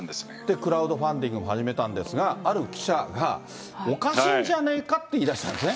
クラウドファンディングも始めたんですが、ある記者が、おかしいんじゃないかって言いだしたんですね。